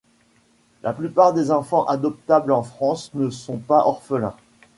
La plupart des enfants adoptables en France ne sont pas orphelins.